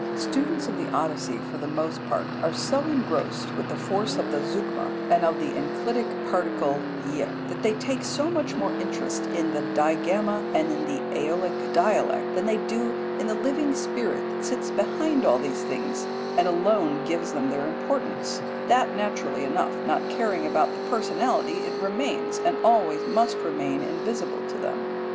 Students of the Odyssey for the most part are so engrossed with the force of the zeugma, and of the enclitic particle [Greek]; they take so much more interest in the digamma and in the AEolic dialect, than they do in the living spirit that sits behind all these things and alone gives them their importance, that, naturally enough, not caring about the personality, it remains and always must remain invisible to them.